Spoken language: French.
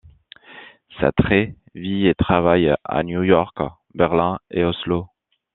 Sæthre vit et travaille à New York, Berlin et Oslo.